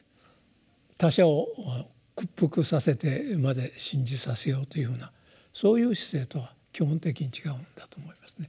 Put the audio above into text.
他者を屈服させてまで信じさせようというふうなそういう姿勢とは基本的に違うんだと思いますね。